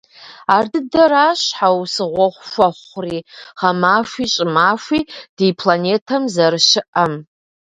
Ардыдэращ щхьэусыгъуэ хуэхъури гъэмахуи щӀымахуи ди планетэм зэрыщыӀэм.